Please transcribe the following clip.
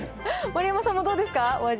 丸山さんもどうですか、お味